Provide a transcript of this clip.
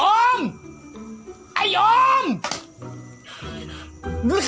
โอ๊ยโอ๊ยโอ๊ยโอ๊ยโอ๊ยโอ๊ยโอ๊ยโอ๊ยโอ๊ย